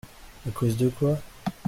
À cause de quoi ?